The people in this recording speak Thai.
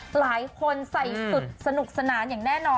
หลายคนใส่สุดสนุกสนานอย่างแน่นอน